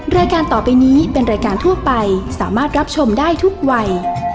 รายการต่อไปนี้เป็นรายการทั่วไปสามารถรับชมได้ทุกวัย